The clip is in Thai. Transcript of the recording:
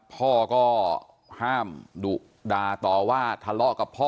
พ่อก็ห้ามดุด่าต่อว่าทะเลาะกับพ่อ